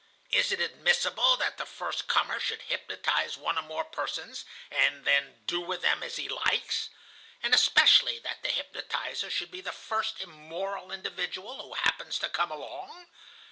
Is it admissible that the first comer should hypnotize one or more persons, and then do with them as he likes? And especially that the hypnotizer should be the first immoral individual who happens to come along?